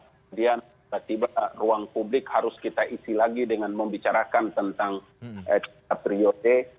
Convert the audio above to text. kemudian tiba tiba ruang publik harus kita isi lagi dengan membicarakan tentang tiga priode